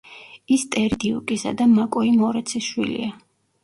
ის ტერი დიუკისა და მაკოი მორეცის შვილია.